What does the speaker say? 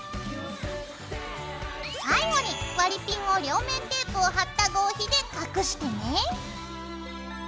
最後に割りピンを両面テープを貼った合皮で隠してね。